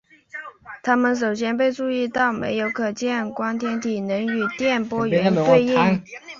它们首先被注意到没有可见光天体能与些电波源对应。